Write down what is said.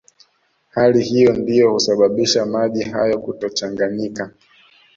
Hali hiyo ndiyo husababisha maji hayo kutochanganyika